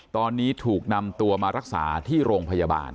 ตอนนี้ถูกนำตัวมารักษาที่โรงพยาบาล